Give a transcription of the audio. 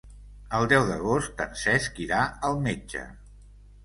El deu d'agost en Cesc irà al metge.